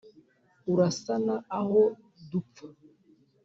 Urasana aho dupfa